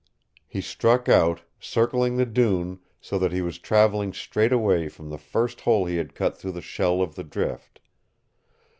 He struck out, circling the dune, so that he was traveling straight away from the first hole he had cut through the shell of the drift.